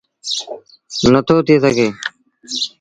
نٿو ٿئي سگھي۔